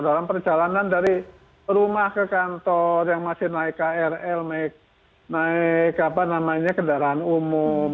dalam perjalanan dari rumah ke kantor yang masih naik krl naik kendaraan umum